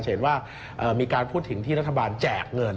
เห็นว่ามีการพูดถึงที่รัฐบาลแจกเงิน